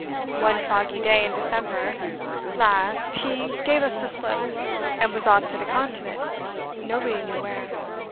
One foggy day in December last he gave us the slip; and was off to the continent, nobody knew where.